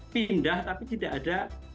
pindah tapi tidak ada